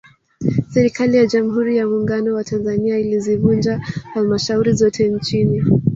Serikali ya Jamhuri ya Muungano wa Tanzania ilizivunja Halmashauri zote nchini